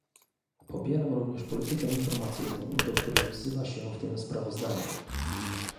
Popieram również politykę informacyjną, do której wzywa się w tym sprawozdaniu